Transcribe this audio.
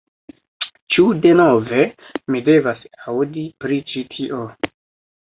"Ĉu denove, mi devas aŭdi pri ĉi tio"